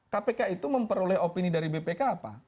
kpk itu memperoleh opini dari bpk apa